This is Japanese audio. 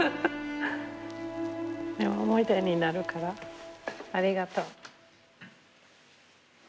でも思い出になるからありがとう。